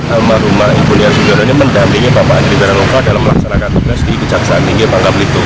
almarhumah ibu liar sugiono ini mendampingi bapak andi baranova dalam melaksanakan tugas di kejaksaan tinggi bangka belitung